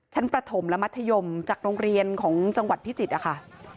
ประถมและมัธยมจากโรงเรียนของจังหวัดพิจิตรนะคะ